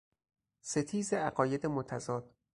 ستیز عقاید متضاد